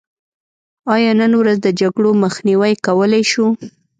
آیا نن ورځ د جګړو مخنیوی کولی شو؟